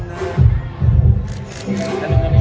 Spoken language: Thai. สโลแมคริปราบาล